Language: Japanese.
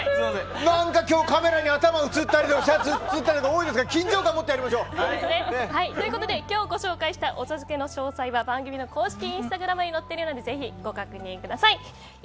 なんか今日、カメラに頭が映ったりとかシャツが映ったりとか多いですけどということで今日ご紹介したお茶漬けの詳細は番組の公式インスタグラムに乗っているのでご覧ください。